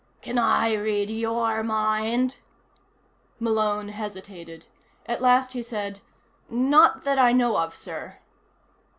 "Can I read your mind?" Malone hesitated. At last he said: "Not that I know of, sir."